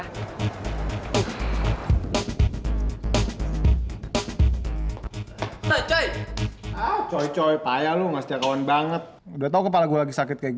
hai hai coy coy coy payah lu ngasih kawan banget udah tahu kepala gue lagi sakit kayak